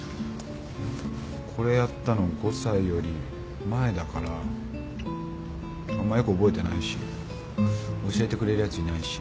これやったの５歳より前だからあんまよく覚えてないし教えてくれるヤツいないし。